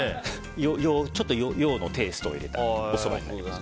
ちょっと洋のテイストを入れたおそばになります。